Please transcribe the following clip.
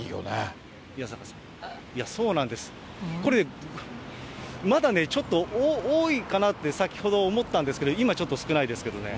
これ、まだね、ちょっと多いかなって、先ほど思ったんですけど、今ちょっと少ないですけどね。